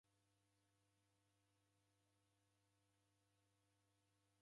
Daw'iazighana habari ra luma lwa penyu.